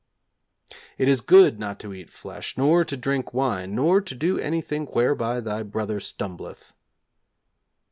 'It is good not to eat flesh, nor to drink wine, nor to do anything whereby thy brother stumbleth.'